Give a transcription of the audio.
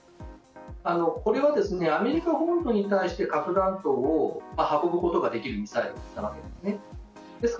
これは、アメリカ本土に対して核弾頭を運ぶことができるミサイルかなと思います。